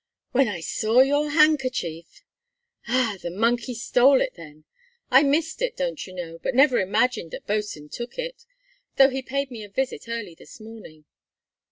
"When I saw your handkerchief " "Ah, the monkey stole it, then! I missed it, don't you know, but never imagined that Bosin took it, though he paid me a visit early this morning.